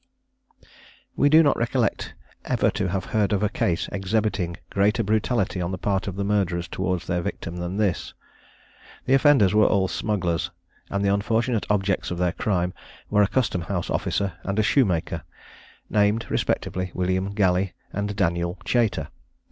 We do not recollect ever to have heard of a case exhibiting greater brutality on the part of the murderers towards their victim than this. The offenders were all smugglers, and the unfortunate objects of their crime were a custom house officer, and a shoemaker, named respectively William Galley and Daniel Chater.